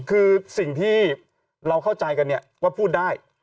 คือสิ่งที่เราเข้าใจกันเนี่ยว่าพูดได้